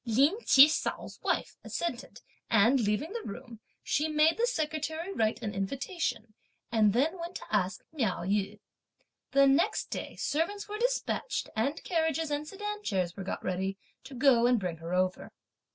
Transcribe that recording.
Lin Chih hsiao's wife assented; and leaving the room, she made the secretary write an invitation and then went to ask Miao Yü. The next day servants were despatched, and carriages and sedan chairs were got ready to go and bring her over.